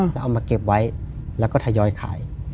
ก็เอามาเก็บไว้แล้วก็ทยอยขาย